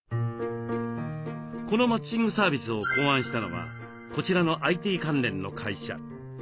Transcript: このマッチングサービスを考案したのはこちらのＩＴ関連の会社。